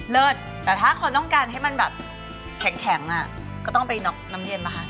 เลิศแต่ถ้าคนต้องการให้มันแบบแข็งอ่ะก็ต้องไปน็อกน้ำเย็นป่ะคะ